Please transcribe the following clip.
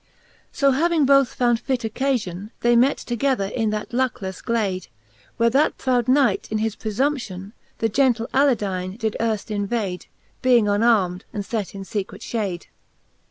So having both found fit occafion, They met together in that luckelelle glade j Where that proud Knight in his prefumptiori The gentle Aladine did earfl invade, Being unarm'd, and fet in fecret fhade.